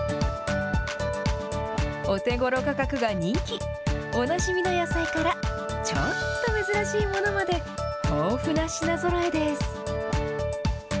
お手ごろ価格が人気、おなじみの野菜から、ちょっと珍しいものまで、豊富な品ぞろえです。